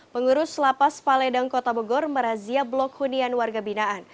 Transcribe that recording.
pengurus lapas paledang kota bogor merazia blok hunian warga binaan